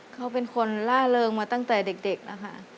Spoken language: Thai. เขาเป็นคนล่าเริงมาตั้งแต่เด็กแล้วค่ะ